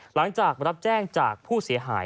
หลังจากรับแจ้งจากผู้เสียหาย